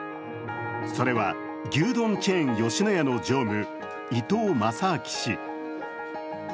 それは牛丼チェーン吉野家の常務、伊東正明氏。